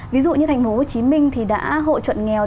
ví dụ như thành phố hồ chí minh thì đã hộ chuẩn nghèo